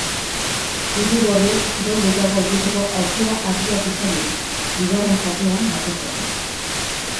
Zuri-gorriek gol gehiago egiteko aukera argiak izan dituzte, bigarren zatian batez ere.